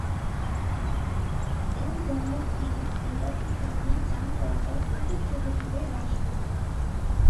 এই বন্দরটি সিঙ্গাপুর-গামী যান চলাচল উল্লেখযোগ্যভাবে হ্রাস করতে পারে।